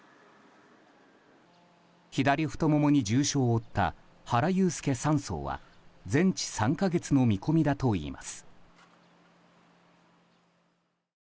左太ももに重傷を負った原悠介３曹は全治３か月の見込みだといいます。